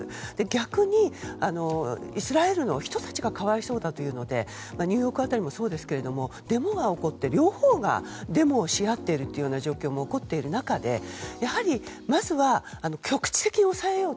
逆に、イスラエルの人たちが可哀想だというのでニューヨーク辺りもそうですがデモが起こって両方がデモをし合っている状況も起こっている中でやはりまずは局地的に抑えよう。